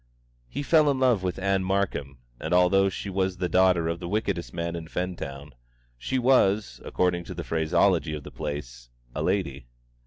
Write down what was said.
He fell in love with Ann Markham; and although she was the daughter of the wickedest man in Fentown, she was according to the phraseology of the place "a lady."